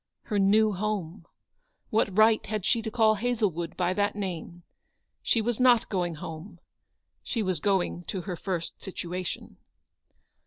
Her new home ! What right had she to call Hazlewood by that name ? She was not going home. She was going to her first situation.